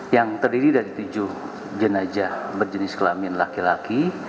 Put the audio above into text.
yang terdiri dari tujuh jenajah berjenis kelamin laki laki